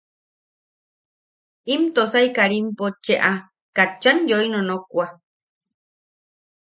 Im Tosai Karimpo cheʼa katchan yoi nonokwa.